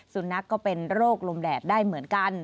สุนัขก็เป็นโรคลมแดดได้เหมือนกัน